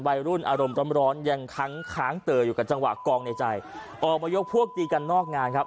วัยรุ่นอารมณ์ร้อนร้อนยังค้างค้างเตออยู่กับจังหวะกองในใจออกมายกพวกตีกันนอกงานครับ